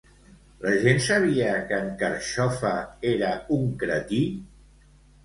La gent sabia que en Carxofa era un cretí?